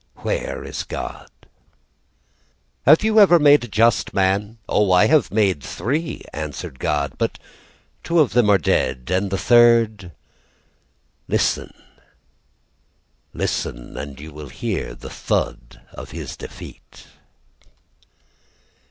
Where is God? "Have you ever made a just man?" "Oh, I have made three," answered God, "But two of them are dead, "And the third "Listen! Listen! "And you will hear the thud of his defeat."